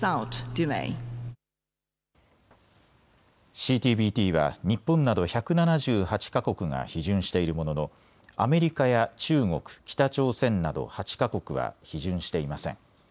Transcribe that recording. ＣＴＢＴは日本など１７８か国が批准しているもののアメリカや中国、北朝鮮など８か国は批准していません。